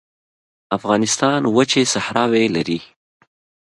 افغانستان وچې صحراوې لري